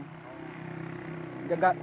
nggak bawa bekal siang